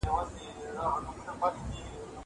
زه به د ښوونځی لپاره امادګي نيولی وي!!